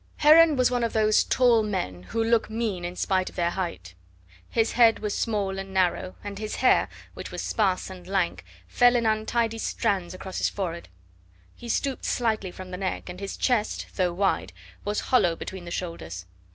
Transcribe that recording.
Heron was one of those tall men who look mean in spite of their height. His head was small and narrow, and his hair, which was sparse and lank, fell in untidy strands across his forehead. He stooped slightly from the neck, and his chest, though wide, was hollow between the shoulders.